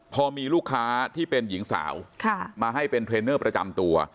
พอมีลูกค้าที่เป็นหญิงสาวมาให้เป็นเทรนเนอร์ประจำตัว